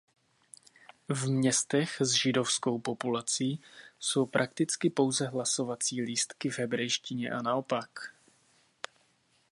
V městech s židovskou populací jsou prakticky pouze hlasovací lístky v hebrejštině a naopak.